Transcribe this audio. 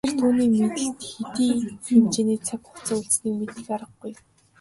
Тэгэхлээр түүний мэдэлд хэдий хэмжээний цаг хугацаа үлдсэнийг мэдэх аргагүй.